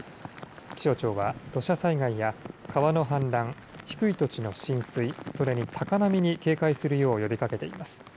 気象庁は土砂災害や川の氾濫、低い土地の浸水、それに高波に警戒するよう呼びかけています。